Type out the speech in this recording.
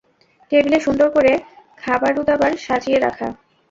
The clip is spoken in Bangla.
টেবিলে সুন্দর করে খাবারুদাবার সাজিয়ে রাখা।